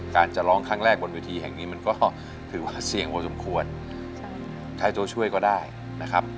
การจะร้องครั้งแรกบนเวทีแห่งนี้มันก็ถือว่าเสี่ยงพอสมควรใช้ตัวช่วยก็ได้นะครับ